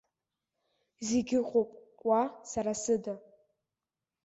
Зегь ыҟоуп уа, сара сыда.